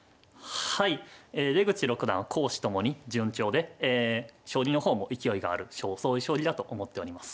ええ出口六段は公私ともに順調で将棋の方も勢いがあるそういう将棋だと思っております。